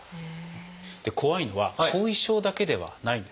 怖いのは後遺症だけではないんです。